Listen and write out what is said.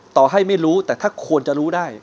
ต่อให้ไม่รู้แต่ถ้าควรจะรู้ได้